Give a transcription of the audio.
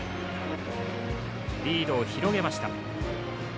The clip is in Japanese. リードを広げました。